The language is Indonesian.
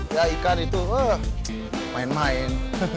ya ikan itu main main